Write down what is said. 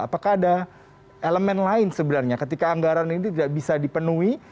apakah ada elemen lain sebenarnya ketika anggaran ini tidak bisa dipenuhi